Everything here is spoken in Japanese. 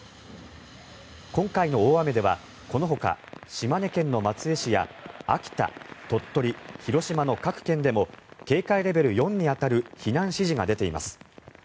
今回の大雨ではこのほか島根県の松江市や秋田、鳥取、広島の各県でも警戒レベル４に当たる避難指示が出ています。